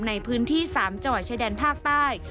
ในพื้นที่๓จังหวัดชายแดนภาคใต้